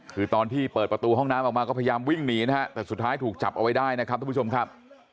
คือตอนที่เปิดประตูห้องน้ำออกมาก็พยายามวิ่งหนีนะฮะแต่สุดท้ายถูกจับเอาไว้ได้นะครับทุกผู้ชมครับ